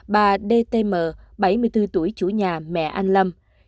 bà dtm bảy mươi bốn tuổi chủ nhà mẹ anh lâm